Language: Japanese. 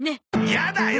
やだよ！